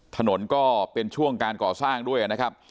ถนนก็เป็นช่วงการก่อสร้างด้วยนะครับ